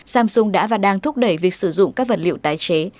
samsung đã và đang thúc đẩy việc sử dụng các vật liệu tái chế